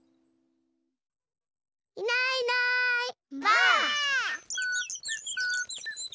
いないいないばあっ！